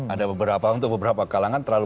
ada beberapa kalangan terlalu